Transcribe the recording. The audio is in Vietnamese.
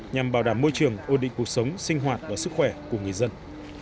nhằm bảo đảm môi trường ô định cuộc sống sinh hoạt và sức khỏe của người dân